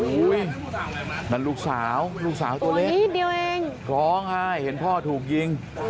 อันนั้นลูกสาวลูกสาวตัวเล็กเพราะง่ายเห็นพ่อถูกยิง